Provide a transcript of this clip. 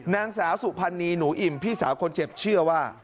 นางสาวสุพรรณีหนูอิ่มพี่สาวคนเจ็บเชื่อว่า